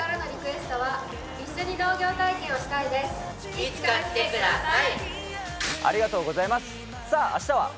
いつか来てください！